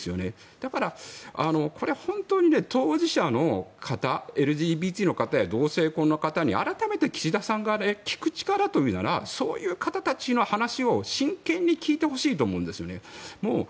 だから、これは本当に当事者の方ＬＧＢＴの方や同性婚の方に改めて岸田さんが聞く力と言うならそういう方たちの話を真剣に聞いてほしいと思うんですね。